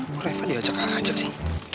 kenapa reva diajak ajak sih